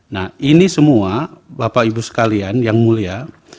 nah ini semua bapak ibu sekalian yang mulia